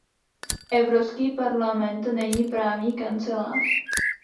Evropský parlament není právní kancelář.